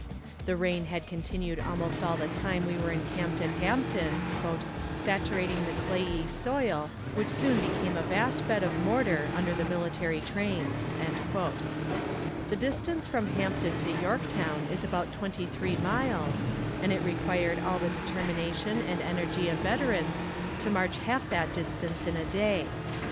The rain had continued almost all the time we were encamped at Hampton, "saturating the clayey soil, which soon became a vast bed of mortar under the artillery trains." The distance from Hampton to Yorktown is about twenty three miles, and it required all the determination and energy of veterans to march half that distance in a day.